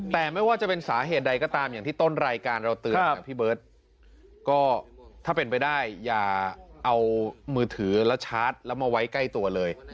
แต่ไม่ว่าจะเป็นสาเหตุใดก็ตามอย่างที่ต้นรายการเราเตือนพี่เบิร์ตก็ถ้าเป็นไปได้อย่าเอามือถือแล้วชาร์จแล้วมาไว้ใกล้ตัวเลย